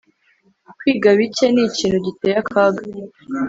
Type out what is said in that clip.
kwiga bike ni ikintu giteye akaga